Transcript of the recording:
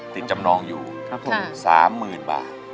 ติดจำนองอยู่๓หมื่นบาท